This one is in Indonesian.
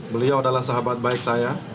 beliau adalah sahabat baik saya